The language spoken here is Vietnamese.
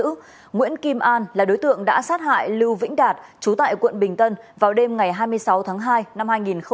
trước đó nguyễn kim an là đối tượng đã sát hại lưu vĩnh đạt chú tại quận bình tân vào đêm ngày hai mươi sáu tháng hai năm hai nghìn một mươi bốn